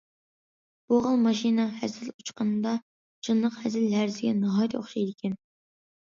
بۇ خىل ماشىنا ھەسەل ئۇچقاندا جانلىق ھەسەل ھەرىسىگە ناھايىتى ئوخشايدىكەن.